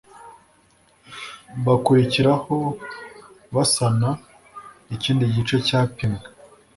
bakurikiraho basana ikindi gice cyapimwe